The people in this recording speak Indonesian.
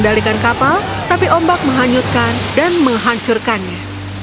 kendalikan kapal tapi ombak menghanyutkan dan menghancurkannya